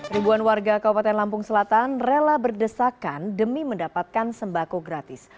ribuan warga kabupaten lampung selatan rela berdesakan demi mendapatkan sembako gratis